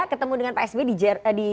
ketemu dengan pak sbe di jerman